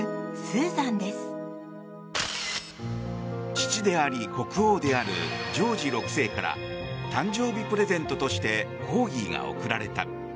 父であり国王であるジョージ６世から誕生日プレゼントとしてコーギーが贈られた。